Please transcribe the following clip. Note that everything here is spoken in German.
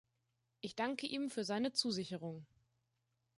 Ich danke ihm für seine Zusicherung.